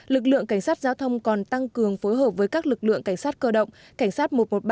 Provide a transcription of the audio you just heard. lực lượng cảnh sát giao thông còn tăng cường phối hợp với các lực lượng cảnh sát cơ động cảnh sát một trăm một mươi ba